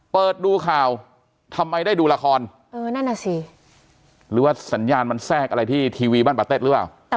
เปิดดูข่าวทำไมได้ดูละครเออนั่นน่ะสิหรือว่าสัญญาณมันแทรกอะไรที่ทีวีบ้านปาเต็ดหรือเปล่า